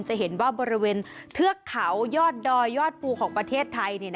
จะเห็นว่าบริเวณเทือกเขายอดดอยยอดภูของประเทศไทย